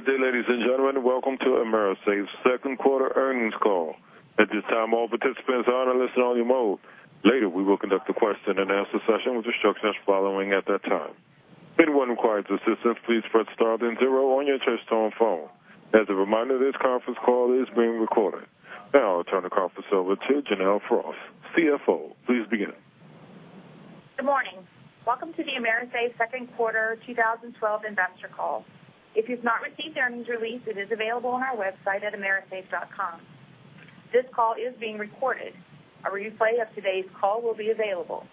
Good day, ladies and gentlemen. Welcome to AMERISAFE's second quarter earnings call. At this time, all participants are on a listen-only mode. Later, we will conduct a question-and-answer session with instructions following at that time. Anyone requires assistance, please press star then zero on your touch-tone phone. As a reminder, this conference call is being recorded. Now I'll turn the conference over to Janelle Frost, CFO. Please begin. Good morning. Welcome to the AMERISAFE second quarter 2012 investor call. If you've not received the earnings release, it is available on our website at amerisafe.com. This call is being recorded. A replay of today's call will be available.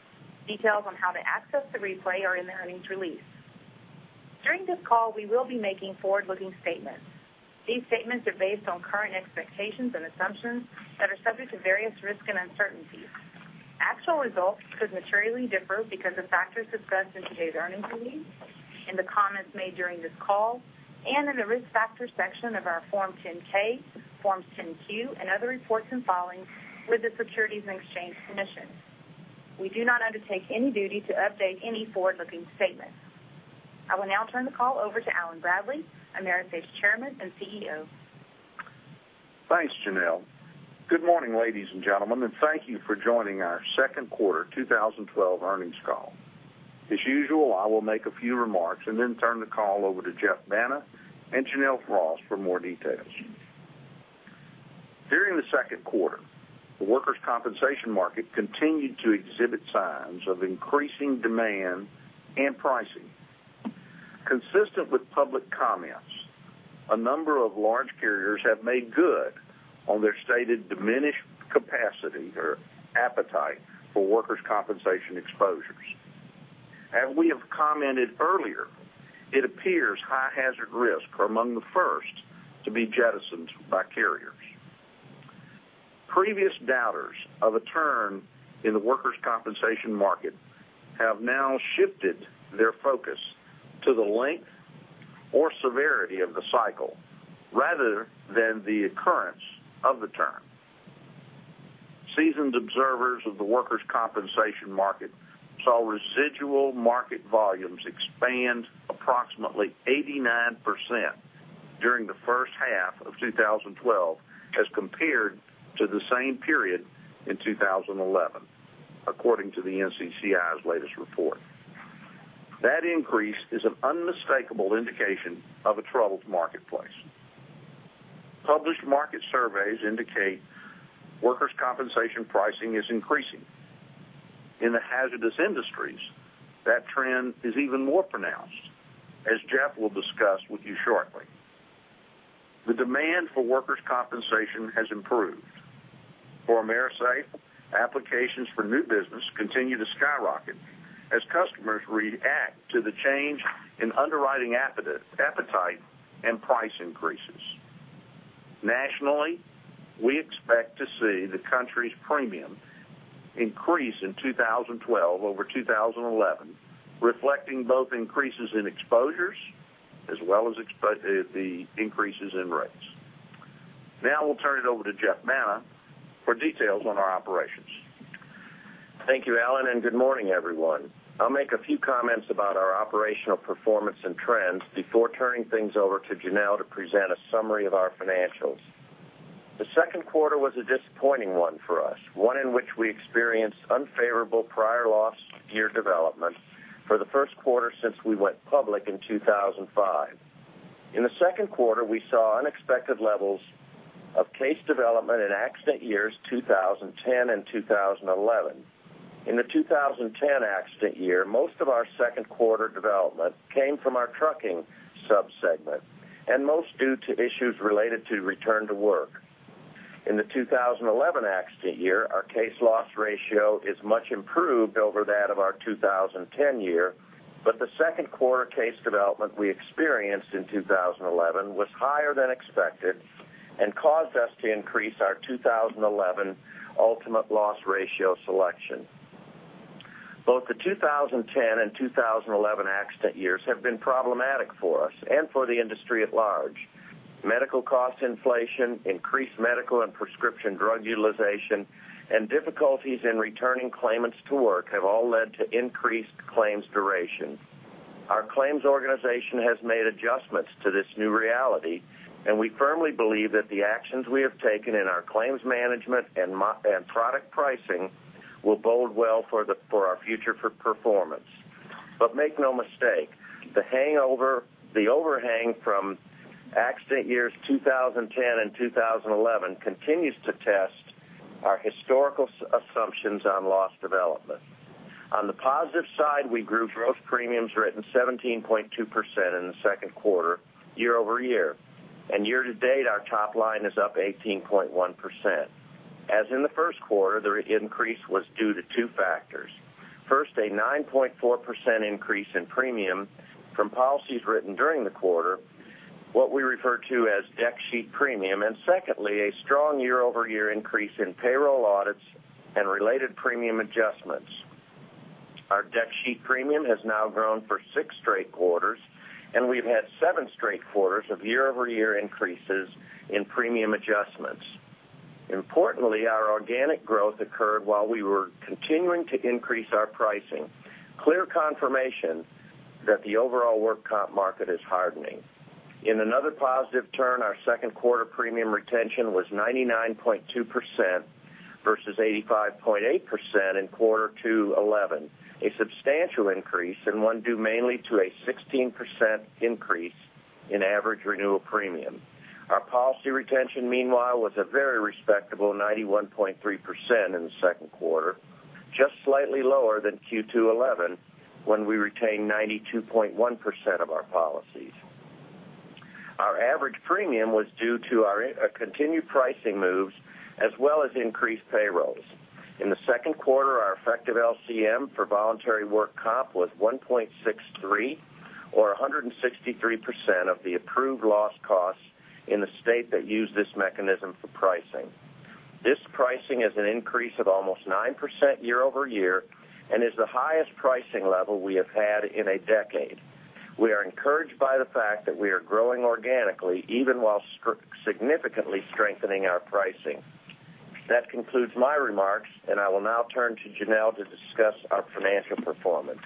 Details on how to access the replay are in the earnings release. During this call, we will be making forward-looking statements. These statements are based on current expectations and assumptions that are subject to various risks and uncertainties. Actual results could materially differ because of factors discussed in today's earnings release, in the comments made during this call, and in the Risk Factors section of our Form 10-K, Forms 10-Q, and other reports and filings with the Securities and Exchange Commission. We do not undertake any duty to update any forward-looking statements. I will now turn the call over to Allen Bradley, AMERISAFE's Chairman and CEO. Thanks, Janelle. Good morning, ladies and gentlemen, thank you for joining our second quarter 2012 earnings call. As usual, I will make a few remarks then turn the call over to Geoff Banta and Janelle Frost for more details. During the second quarter, the workers' compensation market continued to exhibit signs of increasing demand and pricing. Consistent with public comments, a number of large carriers have made good on their stated diminished capacity or appetite for workers' compensation exposures. As we have commented earlier, it appears high-hazard risks are among the first to be jettisoned by carriers. Previous doubters of a turn in the workers' compensation market have now shifted their focus to the length or severity of the cycle rather than the occurrence of the turn. Seasoned observers of the workers' compensation market saw residual market volumes expand approximately 89% during the first half of 2012 as compared to the same period in 2011, according to the NCCI's latest report. That increase is an unmistakable indication of a troubled marketplace. Published market surveys indicate workers' compensation pricing is increasing. In the hazardous industries, that trend is even more pronounced, as Geoff will discuss with you shortly. The demand for workers' compensation has improved. For AMERISAFE, applications for new business continue to skyrocket as customers react to the change in underwriting appetite and price increases. Nationally, we expect to see the country's premium increase in 2012 over 2011, reflecting both increases in exposures as well as the increases in rates. I will turn it over to Geoff Banta for details on our operations. Thank you, Allen, and good morning, everyone. I'll make a few comments about our operational performance and trends before turning things over to Janelle to present a summary of our financials. The second quarter was a disappointing one for us, one in which we experienced unfavorable prior loss year development for the first quarter since we went public in 2005. In the second quarter, we saw unexpected levels of case development in accident years 2010 and 2011. In the 2010 accident year, most of our second quarter development came from our trucking sub-segment, and most due to issues related to return to work. In the 2011 accident year, our case loss ratio is much improved over that of our 2010 year, but the second quarter case development we experienced in 2011 was higher than expected and caused us to increase our 2011 ultimate loss ratio selection. Both the 2010 and 2011 accident years have been problematic for us and for the industry at large. Medical cost inflation, increased medical and prescription drug utilization, and difficulties in returning claimants to work have all led to increased claims duration. Our claims organization has made adjustments to this new reality, and we firmly believe that the actions we have taken in our claims management and product pricing will bode well for our future performance. Make no mistake, the overhang from accident years 2010 and 2011 continues to test our historical assumptions on loss development. On the positive side, we grew gross premiums written 17.2% in the second quarter year-over-year. Year to date, our top line is up 18.1%. As in the first quarter, the increase was due to two factors. First, a 9.4% increase in premium from policies written during the quarter, what we refer to as deck sheet premium. Secondly, a strong year-over-year increase in payroll audits and related premium adjustments. Our deck sheet premium has now grown for six straight quarters, and we've had seven straight quarters of year-over-year increases in premium adjustments. Importantly, our organic growth occurred while we were continuing to increase our pricing, clear confirmation that the overall work comp market is hardening. In another positive turn, our second quarter premium retention was 99.2% versus 85.8% in quarter two '11, a substantial increase and one due mainly to a 16% increase in average renewal premium. Our policy retention, meanwhile, was a very respectable 91.3% in the second quarter, just slightly lower than Q2 '11, when we retained 92.1% of our policies. Our average premium was due to our continued pricing moves as well as increased payrolls. In the second quarter, our effective LCM for voluntary work comp was 1.63 or 163% of the approved loss costs in the state that used this mechanism for pricing. This pricing is an increase of almost 9% year-over-year and is the highest pricing level we have had in a decade. We are encouraged by the fact that we are growing organically, even while significantly strengthening our pricing. That concludes my remarks, I will now turn to Janelle to discuss our financial performance.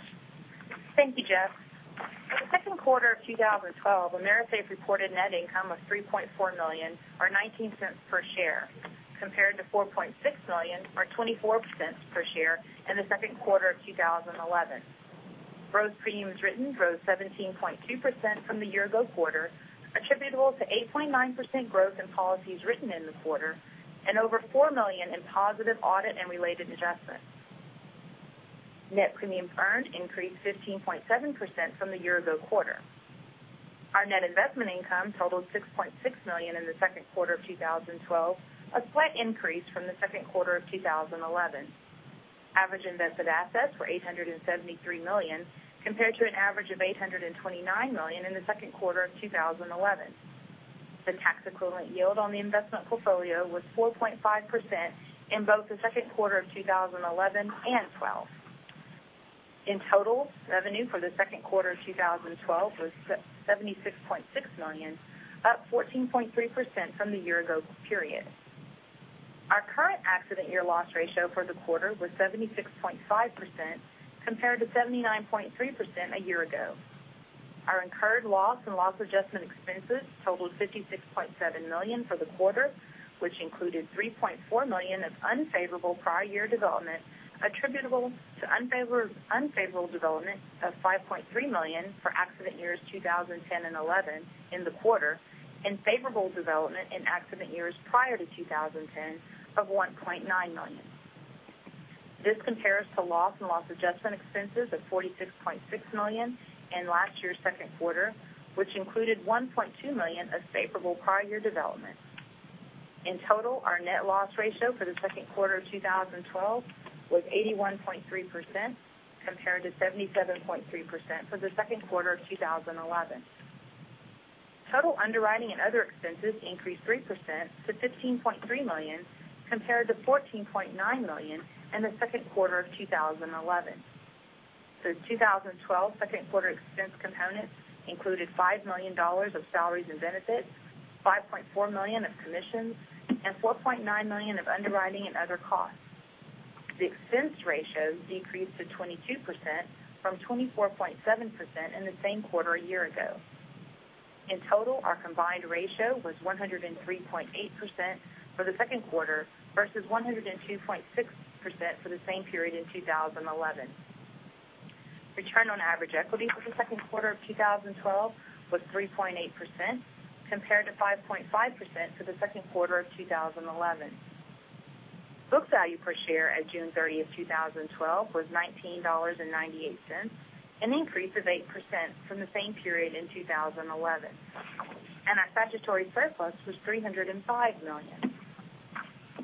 Thank you, Geoff. For the second quarter of 2012, AMERISAFE reported net income of $3.4 million, or $0.19 per share, compared to $4.6 million or $0.24 per share in the second quarter of 2011. Gross premiums written grew 17.2% from the year-ago quarter, attributable to 8.9% growth in policies written in the quarter and over $4 million in positive audit and related adjustments. Net premiums earned increased 15.7% from the year-ago quarter. Our net investment income totaled $6.6 million in the second quarter of 2012, a slight increase from the second quarter of 2011. Average invested assets were $873 million, compared to an average of $829 million in the second quarter of 2011. The tax equivalent yield on the investment portfolio was 4.5% in both the second quarter of 2011 and 2012. In total, revenue for the second quarter of 2012 was $76.6 million, up 14.3% from the year-ago period. Our current accident year loss ratio for the quarter was 76.5%, compared to 79.3% a year ago. Our incurred loss and loss adjustment expenses totaled $56.7 million for the quarter, which included $3.4 million of unfavorable prior year development attributable to unfavorable development of $5.3 million for accident years 2010 and 2011 in the quarter, and favorable development in accident years prior to 2010 of $1.9 million. This compares to loss and loss adjustment expenses of $46.6 million in last year's second quarter, which included $1.2 million of favorable prior year development. In total, our net loss ratio for the second quarter of 2012 was 81.3%, compared to 77.3% for the second quarter of 2011. Total underwriting and other expenses increased 3% to $15.3 million, compared to $14.9 million in the second quarter of 2011. The 2012 second quarter expense component included $5 million of salaries and benefits, $5.4 million of commissions, and $4.9 million of underwriting and other costs. The expense ratio decreased to 22% from 24.7% in the same quarter a year ago. In total, our combined ratio was 103.8% for the second quarter versus 102.6% for the same period in 2011. Return on average equity for the second quarter of 2012 was 3.8%, compared to 5.5% for the second quarter of 2011. Book value per share at June 30, 2012, was $19.98, an increase of 8% from the same period in 2011. Our statutory surplus was $305 million.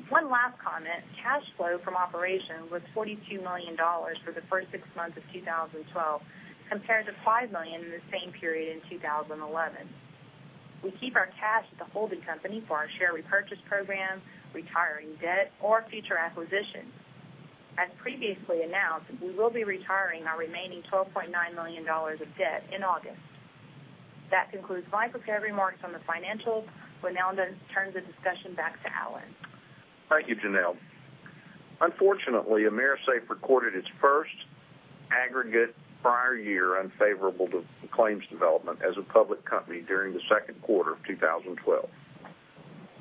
One last comment, cash flow from operation was $42 million for the first six months of 2012, compared to $5 million in the same period in 2011. We keep our cash at the holding company for our share repurchase program, retiring debt, or future acquisitions. As previously announced, we will be retiring our remaining $12.9 million of debt in August. That concludes my prepared remarks on the financials. We'll now turn the discussion back to Allen. Thank you, Janelle. Unfortunately, AMERISAFE recorded its first aggregate prior year unfavorable to claims development as a public company during the second quarter of 2012.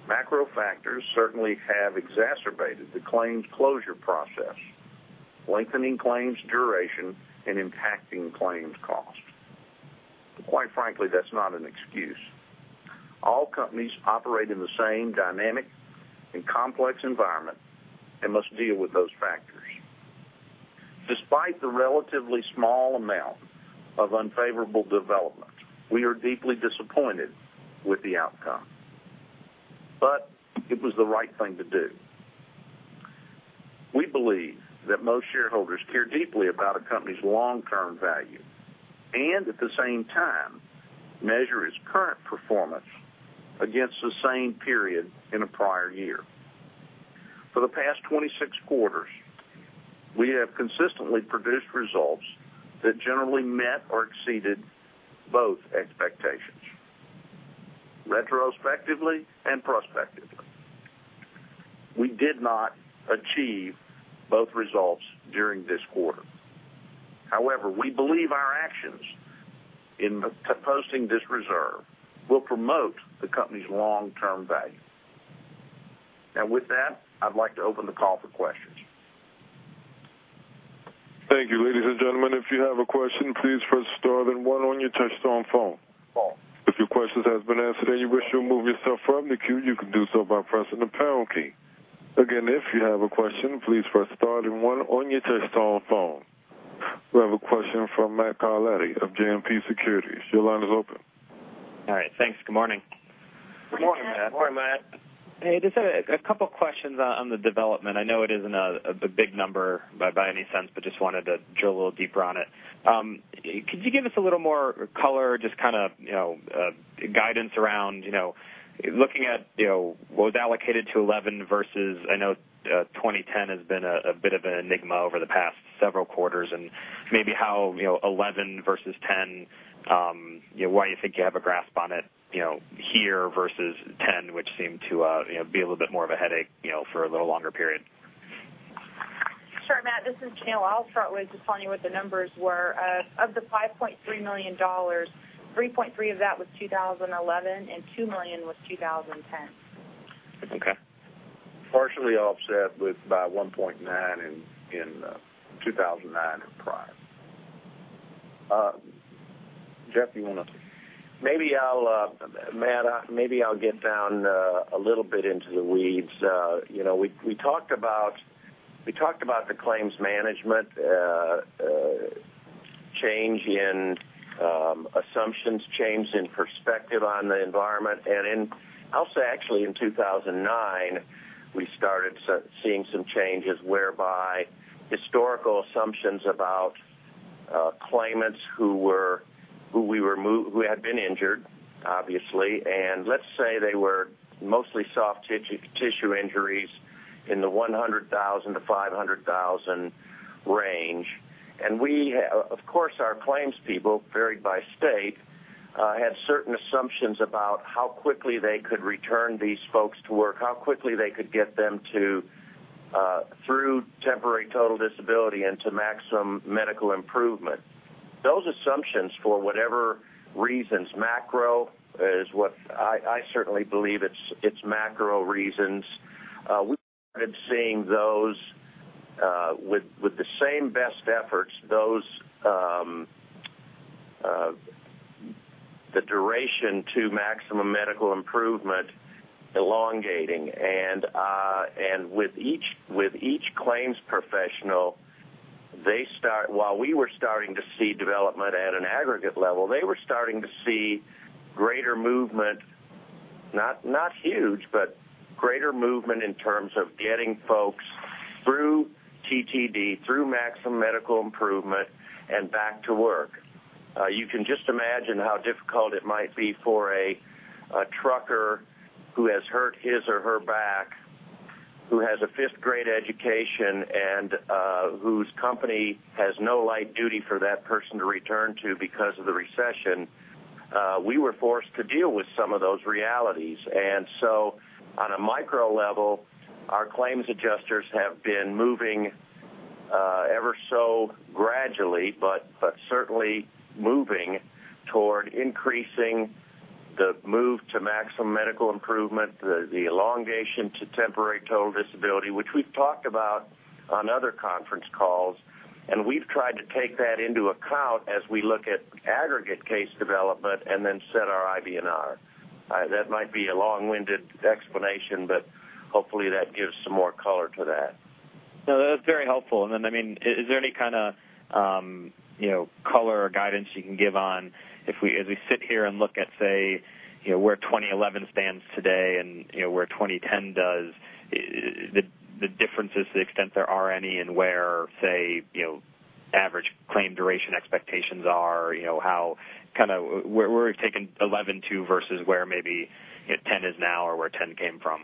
Macro factors certainly have exacerbated the claims closure process, lengthening claims duration and impacting claims cost. Quite frankly, that's not an excuse. All companies operate in the same dynamic and complex environment and must deal with those factors. Despite the relatively small amount of unfavorable development, we are deeply disappointed with the outcome. It was the right thing to do. We believe that most shareholders care deeply about a company's long-term value and at the same time measure its current performance against the same period in a prior year. For the past 26 quarters we have consistently produced results that generally met or exceeded both expectations, retrospectively and prospectively. We did not achieve both results during this quarter. We believe our actions in posting this reserve will promote the company's long-term value. Now, with that, I'd like to open the call for questions. Thank you. Ladies and gentlemen, if you have a question, please press star then one on your touch-tone phone. If your questions has been answered and you wish to remove yourself from the queue, you can do so by pressing the pound key. Again, if you have a question, please press star then one on your touch-tone phone. We have a question from Matthew Carletti of JMP Securities. Your line is open. All right. Thanks. Good morning. Good morning, Matt. Hey, just had a couple questions on the development. I know it isn't a big number by any sense, but just wanted to drill a little deeper on it. Could you give us a little more color, just kind of guidance around looking at what was allocated to 2011 versus, I know 2010 has been a bit of an enigma over the past several quarters, and maybe how 2011 versus 2010, why you think you have a grasp on it here versus 2010, which seemed to be a little bit more of a headache for a little longer period. Sure, Matt, this is Janelle. I'll start with just telling you what the numbers were. Of the $5.3 million, $3.3 of that was 2011, and $2 million was 2010. Okay. Partially offset by $1.9 in 2009 and prior. Geoff, you want to? Matt, maybe I'll get down a little bit into the weeds. We talked about the claims management change in assumptions, change in perspective on the environment. I'll say, actually, in 2009, we started seeing some changes whereby historical assumptions about claimants who had been injured, obviously, let's say they were mostly soft tissue injuries in the $100,000-$500,000 range. Of course, our claims people, varied by state, had certain assumptions about how quickly they could return these folks to work, how quickly they could get them through temporary total disability and to maximum medical improvement. Those assumptions, for whatever reasons, macro is what I certainly believe it's macro reasons. We started seeing those with the same best efforts, the duration to maximum medical improvement elongating. With each claims professional, while we were starting to see development at an aggregate level, they were starting to see greater movement, not huge, but greater movement in terms of getting folks through TTD, through maximum medical improvement, and back to work. You can just imagine how difficult it might be for a trucker who has hurt his or her back, who has a fifth-grade education, and whose company has no light duty for that person to return to because of the recession. We were forced to deal with some of those realities. On a micro level, our claims adjusters have been moving ever so gradually, certainly moving toward increasing the move to maximum medical improvement, the elongation to temporary total disability, which we've talked about on other conference calls, and we've tried to take that into account as we look at aggregate case development and then set our IBNR. That might be a long-winded explanation, hopefully that gives some more color to that. No, that was very helpful. Is there any kind of color or guidance you can give on as we sit here and look at, say, where 2011 stands today and where 2010 does, the differences to the extent there are any, and where, say, average claim duration expectations are, where we've taken '11 to versus where maybe '10 is now or where '10 came from?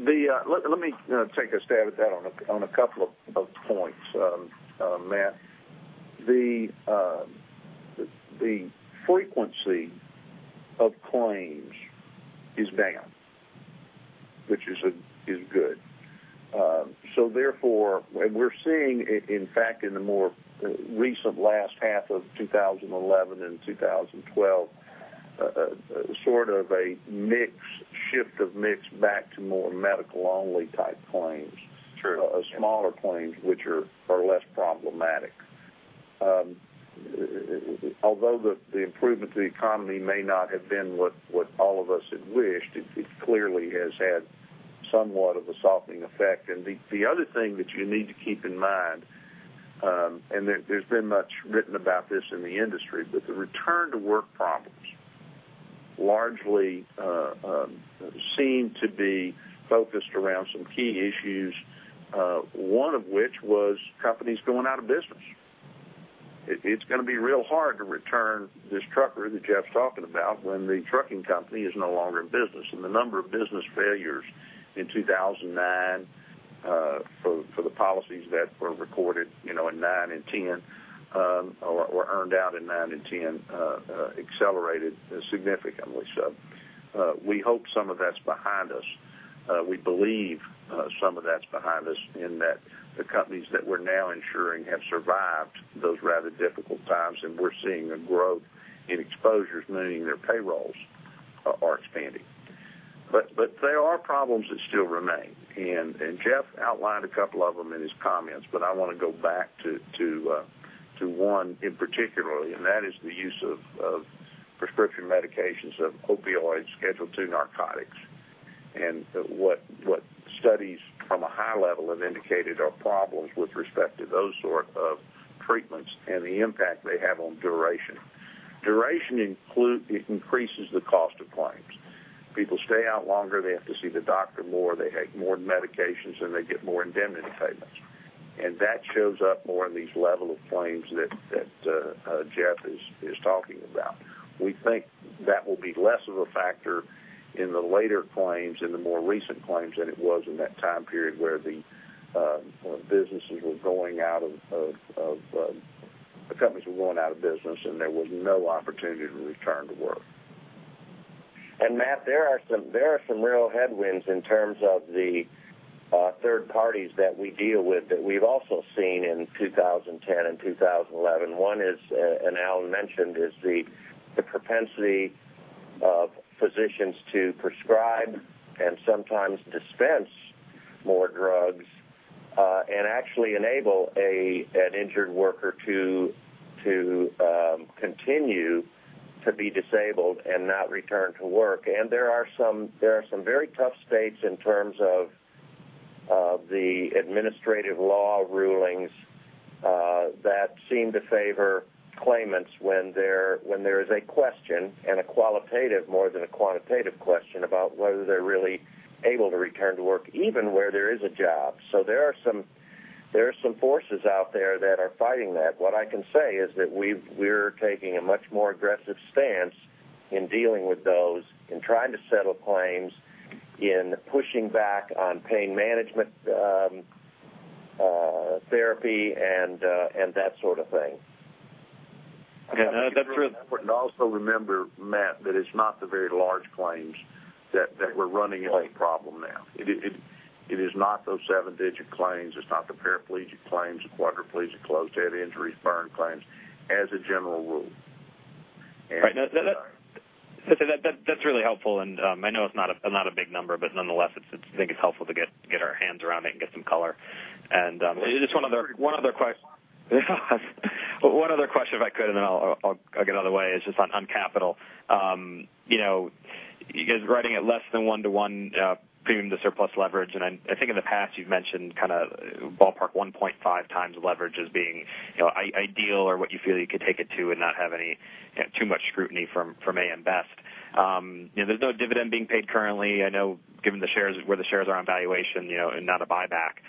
Let me take a stab at that on a couple of points, Matt. The frequency of claims is down, which is good. We're seeing, in fact, in the more recent last half of 2011 and 2012, sort of a shift of mix back to more medical-only type claims. Sure. Smaller claims, which are less problematic. Although the improvement to the economy may not have been what all of us had wished, it clearly has had somewhat of a softening effect. The other thing that you need to keep in mind, and there's been much written about this in the industry, the return-to-work problems largely seem to be focused around some key issues, one of which was companies going out of business. It's going to be real hard to return this trucker that Geoff's talking about when the trucking company is no longer in business. The number of business failures in 2009, for the policies that were recorded in '09 and '10, or earned out in '09 and '10, accelerated significantly. We hope some of that's behind us. We believe some of that's behind us in that the companies that we're now insuring have survived those rather difficult times, we're seeing a growth in exposures, meaning their payrolls are expanding. There are problems that still remain. Geoff outlined a couple of them in his comments, I want to go back to one in particular, that is the use of prescription medications, of opioids, Schedule II narcotics. What studies from a high level have indicated are problems with respect to those sort of treatments and the impact they have on duration. Duration increases the cost of claims. People stay out longer, they have to see the doctor more, they take more medications, and they get more indemnity payments. That shows up more in these level of claims that Geoff is talking about. We think that will be less of a factor in the later claims, in the more recent claims than it was in that time period where the companies were going out of business, and there was no opportunity to return to work. Matt, there are some real headwinds in terms of the third parties that we deal with that we've also seen in 2010 and 2011. One is, Allen mentioned, is the propensity of physicians to prescribe and sometimes dispense more drugs, and actually enable an injured worker to continue to be disabled and not return to work. There are some very tough states in terms of the administrative law rulings that seem to favor claimants when there is a question, and a qualitative more than a quantitative question, about whether they're really able to return to work, even where there is a job. There are some forces out there that are fighting that. What I can say is that we're taking a much more aggressive stance in dealing with those, in trying to settle claims, in pushing back on pain management therapy and that sort of thing. Also remember, Matt, that it's not the very large claims that we're running into a problem now. It is not those seven-digit claims. It's not the paraplegic claims, the quadriplegic, closed head injuries, burn claims, as a general rule. Right. That's really helpful, and I know it's not a big number, but nonetheless, I think it's helpful to get our hands around it and get some color. Just one other question if I could, and then I'll get out of the way, is just on capital. You guys writing at less than 1 to 1 premium to surplus leverage, and I think in the past you've mentioned ballpark 1.5x leverage as being ideal or what you feel you could take it to and not have too much scrutiny from AM Best. There's no dividend being paid currently. I know given where the shares are on valuation and not a buyback.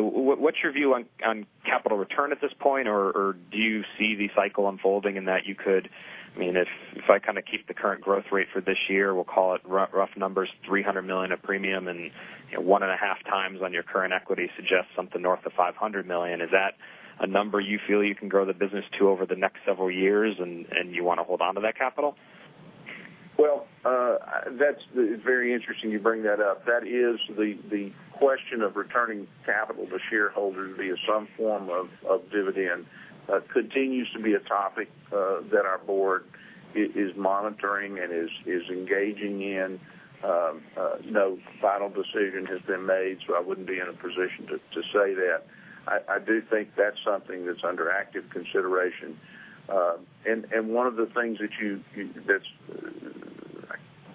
What's your view on capital return at this point? Do you see the cycle unfolding in that you could, if I keep the current growth rate for this year, we'll call it rough numbers, $300 million of premium and one and a half times on your current equity suggests something north of $500 million. Is that a number you feel you can grow the business to over the next several years and you want to hold onto that capital? Well, that's very interesting you bring that up. That is the question of returning capital to shareholders via some form of dividend continues to be a topic that our board is monitoring and is engaging in. No final decision has been made, so I wouldn't be in a position to say that. I do think that's something that's under active consideration. I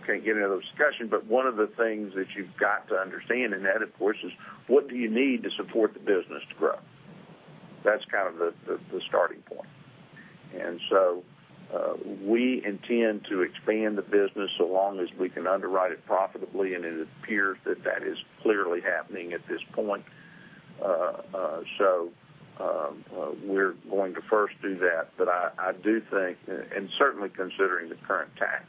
can't get into the discussion, but one of the things that you've got to understand in that, of course, is what do you need to support the business to grow? That's kind of the starting point. We intend to expand the business so long as we can underwrite it profitably, and it appears that that is clearly happening at this point. We're going to first do that. I do think, and certainly considering the current tax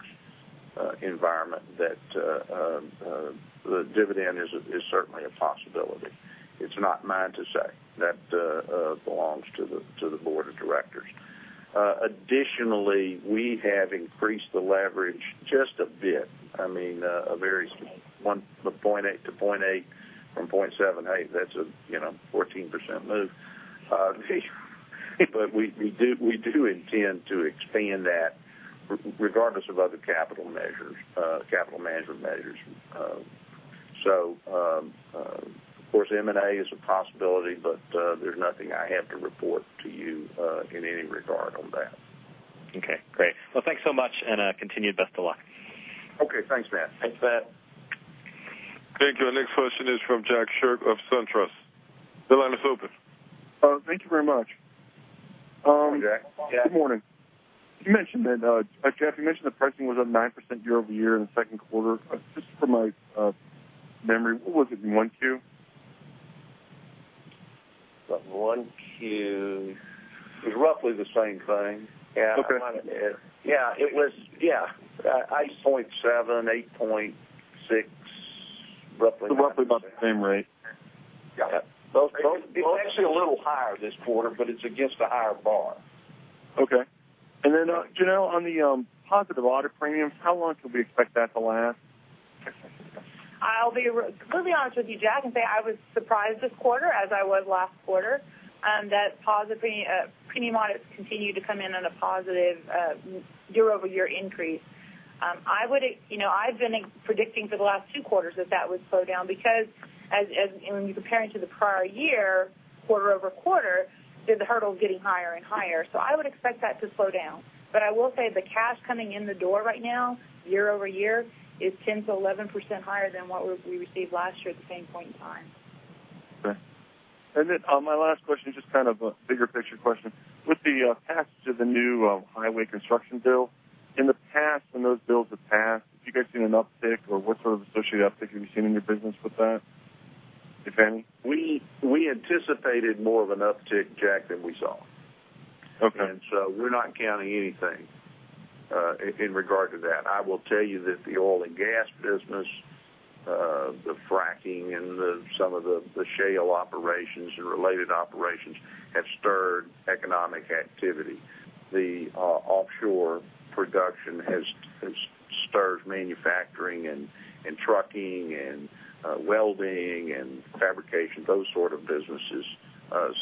environment, that the dividend is certainly a possibility. It's not mine to say. That belongs to the board of directors. Additionally, we have increased the leverage just a bit. A very small, to 0.8, from 0.78, that's a 14% move. We do intend to expand that regardless of other capital management measures. Of course, M&A is a possibility, but there's nothing I have to report to you in any regard on that. Okay, great. Well, thanks so much, continued best of luck. Okay. Thanks, Matt. Thanks, Matt. Thank you. Our next question is from Jack Sherck of SunTrust. The line is open. Thank you very much. Hi, Jack. Good morning. You mentioned that, Geoff, the pricing was up 9% year-over-year in the second quarter. Just from my memory, what was it in Q1? Q1 was roughly the same thing. Okay. Yeah. It was 8.7, 8.6, roughly. Roughly about the same rate. Yeah. Okay. It's actually a little higher this quarter, but it's against a higher bar. Okay. Jan, on the positive audit premiums, how long can we expect that to last? I'll be completely honest with you, Jack, and say I was surprised this quarter as I was last quarter, that premium audits continue to come in on a positive year-over-year increase. I've been predicting for the last two quarters that would slow down because as you're comparing to the prior year, quarter-over-quarter, the hurdle's getting higher and higher. I would expect that to slow down. I will say the cash coming in the door right now, year-over-year, is 10%-11% higher than what we received last year at the same point in time. Okay. My last question, just kind of a bigger picture question. With the passage of the new highway construction bill, in the past, when those bills have passed, have you guys seen an uptick or what sort of associated uptick have you seen in your business with that? If any. We anticipated more of an uptick, Jack, than we saw. Okay. We're not counting anything in regard to that. I will tell you that the oil and gas business, the fracking and some of the shale operations and related operations have stirred economic activity. The offshore production has stirred manufacturing and trucking and welding and fabrication, those sort of businesses,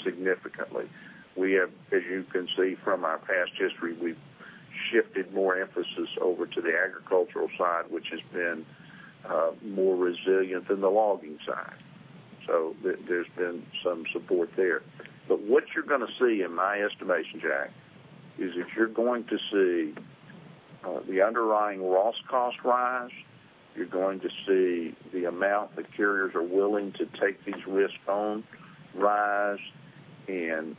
significantly. As you can see from our past history, we've shifted more emphasis over to the agricultural side, which has been more resilient than the logging side. There's been some support there. What you're going to see in my estimation, Jack, is if you're going to see the underlying loss cost rise, you're going to see the amount that carriers are willing to take these risks on rise, and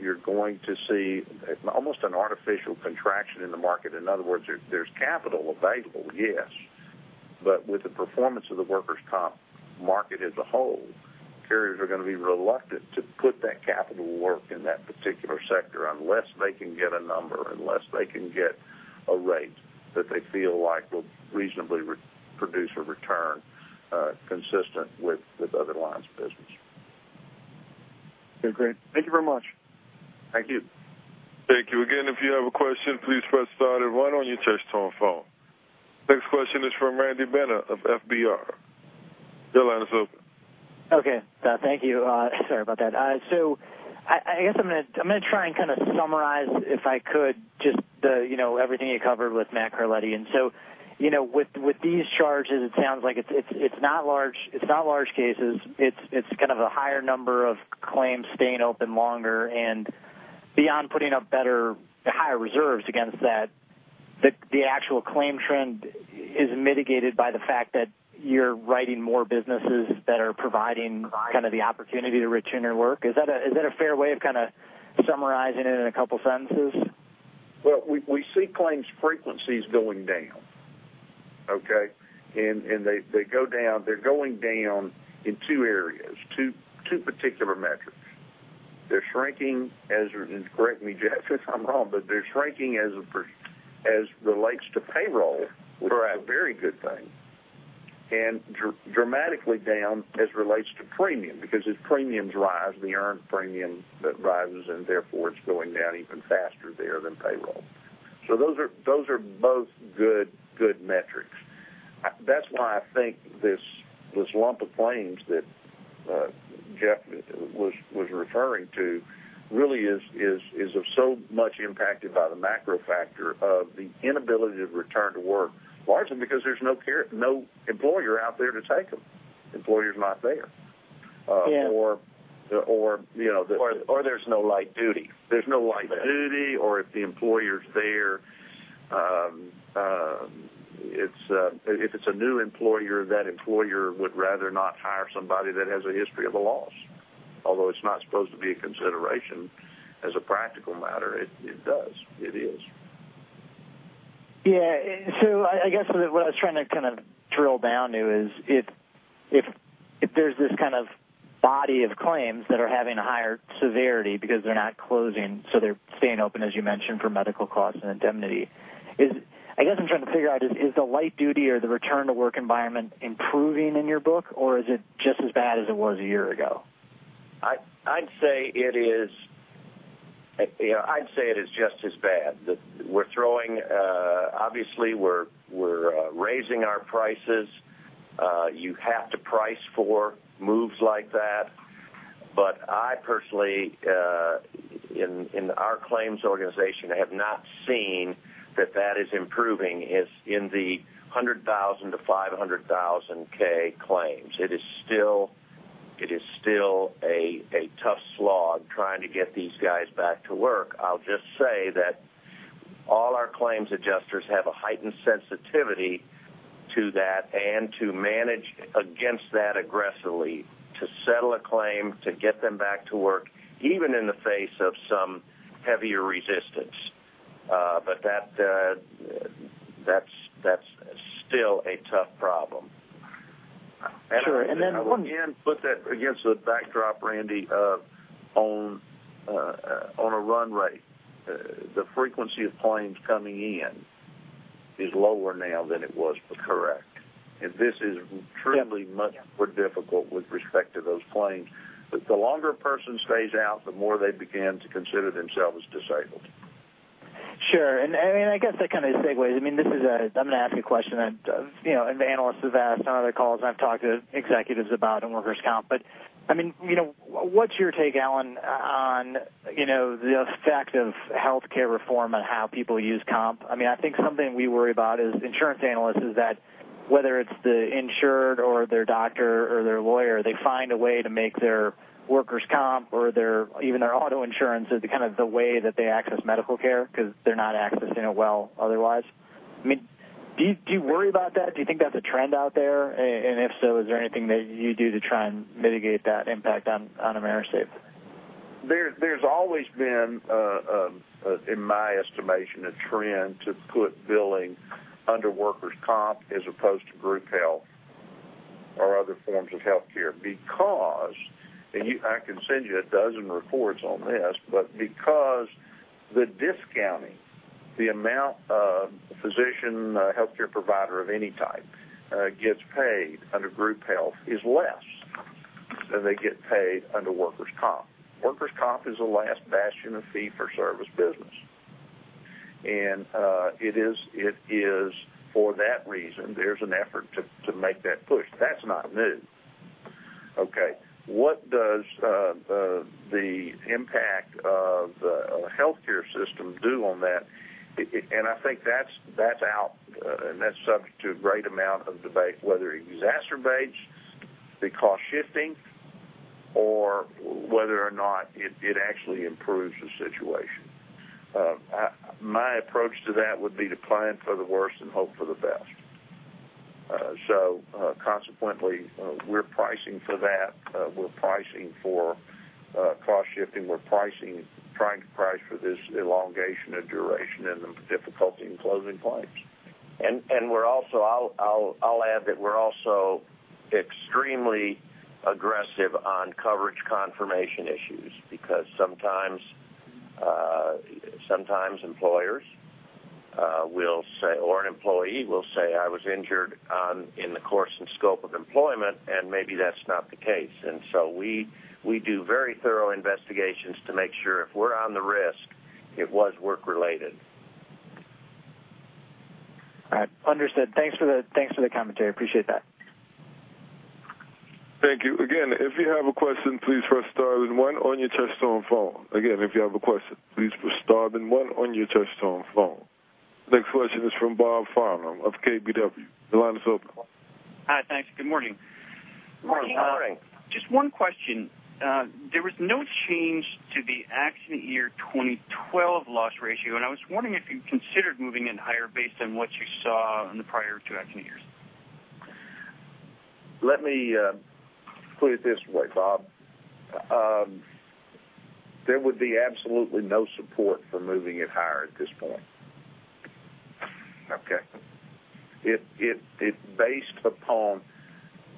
you're going to see almost an artificial contraction in the market. In other words, there's capital available, yes. With the performance of the workers' comp market as a whole, carriers are going to be reluctant to put that capital to work in that particular sector unless they can get a number, unless they can get a rate that they feel like will reasonably produce a return consistent with other lines of business. Okay, great. Thank you very much. Thank you. Thank you. Again, if you have a question, please press star then one on your touch-tone phone. Next question is from Randy Binner of FBR. Your line is open. Okay, thank you. Sorry about that. I guess I'm going to try and kind of summarize, if I could, just everything you covered with Matt Carletti. With these charges, it sounds like it's not large cases. It's kind of a higher number of claims staying open longer and beyond putting up higher reserves against that, the actual claim trend is mitigated by the fact that you're writing more businesses that are providing kind of the opportunity to return to work. Is that a fair way of kind of summarizing it in a couple sentences? Well, we see claims frequencies going down. Okay? They're going down in two areas, two particular metrics. They're shrinking as, and correct me, Geoff, if I'm wrong, but they're shrinking as relates to payroll- Right which is a very good thing. Dramatically down as relates to premium, because as premiums rise, the earned premium rises, and therefore it's going down even faster there than payroll. Those are both good metrics. That's why I think this lump of claims that Geoff was referring to really is so much impacted by the macro factor of the inability to return to work, largely because there's no employer out there to take them. Employer's not there. Yeah. Or- There's no light duty. There's no light duty, or if the employer's there, if it's a new employer, that employer would rather not hire somebody that has a history of a loss. Although it's not supposed to be a consideration, as a practical matter, it does. It is. Yeah. I guess what I was trying to kind of drill down to is if there's this kind of body of claims that are having a higher severity because they're not closing, so they're staying open, as you mentioned, for medical costs and indemnity. I guess I'm trying to figure out is the light duty or the return to work environment improving in your book, or is it just as bad as it was a year ago? I'd say it is just as bad. Obviously, we're raising our prices. You have to price for moves like that. I personally, in our claims organization, have not seen that is improving in the 100,000 to 500K claims. It is still a tough slog trying to get these guys back to work. I'll just say that claims adjusters have a heightened sensitivity to that and to manage against that aggressively, to settle a claim, to get them back to work, even in the face of some heavier resistance. That's still a tough problem. Sure. Put that against the backdrop, Randy, of on a run rate. The frequency of claims coming in is lower now than it was before. Correct. This is truly much more difficult with respect to those claims. The longer a person stays out, the more they begin to consider themselves disabled. Sure. I guess that kind of segues. I'm going to ask you a question that an analyst has asked on other calls I've talked to executives about on workers' comp. What's your take, Allen, on the effect of healthcare reform on how people use comp? I think something we worry about as insurance analysts is that whether it's the insured or their doctor or their lawyer, they find a way to make their workers' comp or even their auto insurance as kind of the way that they access medical care because they're not accessing it well otherwise. Do you worry about that? Do you think that's a trend out there? If so, is there anything that you do to try and mitigate that impact on AMERISAFE? There's always been, in my estimation, a trend to put billing under workers' comp as opposed to group health or other forms of healthcare, because, I can send you 12 reports on this, but because the discounting, the amount a physician, a healthcare provider of any type, gets paid under group health is less than they get paid under workers' comp. Workers' comp is the last bastion of fee-for-service business. It is for that reason, there's an effort to make that push. That's not new. Okay? What does the impact of a healthcare system do on that? I think that's out, and that's subject to a great amount of debate, whether it exacerbates the cost shifting or whether or not it actually improves the situation. My approach to that would be to plan for the worst and hope for the best. Consequently, we're pricing for that. We're pricing for cost shifting. We're trying to price for this elongation of duration and the difficulty in closing claims. I'll add that we're also extremely aggressive on coverage confirmation issues because sometimes employers will say, or an employee will say, "I was injured in the course and scope of employment," and maybe that's not the case. We do very thorough investigations to make sure if we're on the risk, it was work-related. All right. Understood. Thanks for the commentary. Appreciate that. Thank you. Again, if you have a question, please press star then one on your touchtone phone. Again, if you have a question, please press star then one on your touchtone phone. The next question is from Bob Farnam of KBW. The line is open. Hi, thanks. Good morning. Morning. Good morning. Just one question. There was no change to the accident year 2012 loss ratio. I was wondering if you considered moving it higher based on what you saw in the prior two accident years. Let me put it this way, Bob. There would be absolutely no support for moving it higher at this point. Okay. If based upon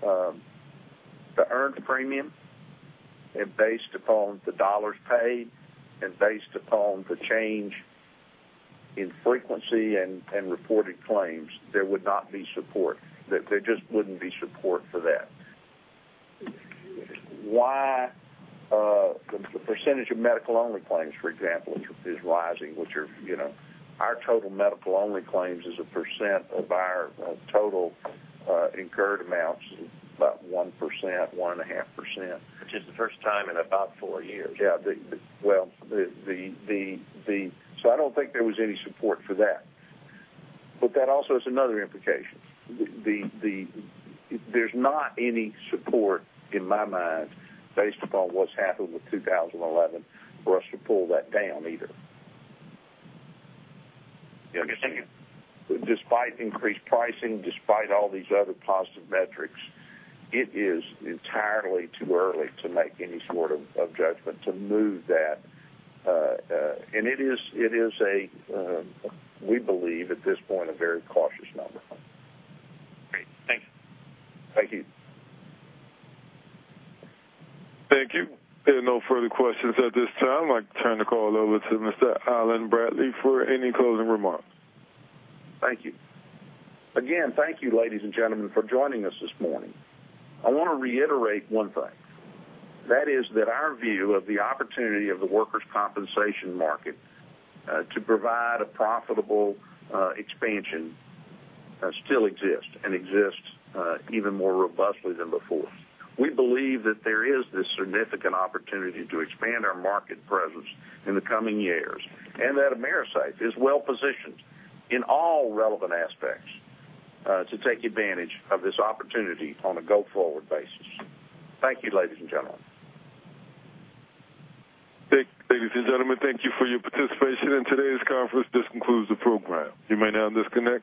the earned premium and based upon the dollars paid and based upon the change in frequency and reported claims, there would not be support. There just wouldn't be support for that. Why the percentage of medical-only claims, for example, is rising, which are our total medical-only claims as a percent of our total incurred amounts is about 1%, 1.5%. Which is the first time in about four years. Yeah. I don't think there was any support for that. That also is another implication. There's not any support in my mind based upon what's happened with 2011 for us to pull that down either. Understood. Despite increased pricing, despite all these other positive metrics, it is entirely too early to make any sort of judgment to move that. It is a, we believe at this point, a very cautious number. Great. Thank you. Thank you. Thank you. There are no further questions at this time. I'd like to turn the call over to Mr. Allen Bradley for any closing remarks. Thank you. Again, thank you, ladies and gentlemen, for joining us this morning. I want to reiterate one thing. That is that our view of the opportunity of the workers' compensation market to provide a profitable expansion still exists and exists even more robustly than before. We believe that there is this significant opportunity to expand our market presence in the coming years and that AMERISAFE is well-positioned in all relevant aspects to take advantage of this opportunity on a go-forward basis. Thank you, ladies and gentlemen. Ladies and gentlemen, thank you for your participation in today's conference. This concludes the program. You may now disconnect.